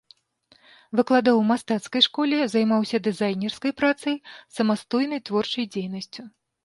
Выкладаў у мастацкай школе, займаўся дызайнерскай працай, самастойнай творчай дзейнасцю.